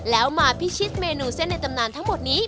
แล้วมาพิชิตเมนูเส้นในตำนานทั้งหมดนี้